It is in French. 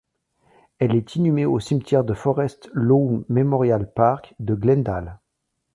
Elle est inhumée au cimetière de Forest Lawn Memorial Park de Glendale.